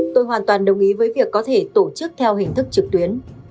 tôi hoàn toàn đồng ý với việc có thể tổ chức theo hình thức trực tuyến